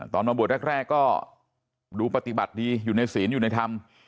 มาบวชแรกก็ดูปฏิบัติดีอยู่ในศีลอยู่ในธรรม